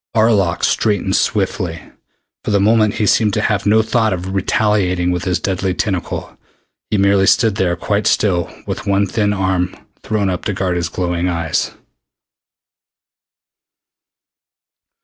Arlok straightened swiftly. For the moment he seemed to have no thought of retaliating with his deadly tentacle. He merely stood there quite still with one thin arm thrown up to guard his glowing eyes.